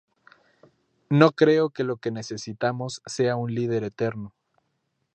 No creo que lo que necesitamos sea un líder eterno".